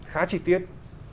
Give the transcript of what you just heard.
khá trí tiết